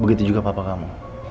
begitu juga papa kamu